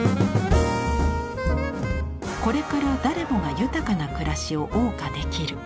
これから誰もが豊かな暮らしを謳歌できる。